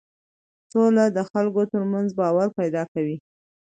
سوله د خلکو ترمنځ باور پیدا کوي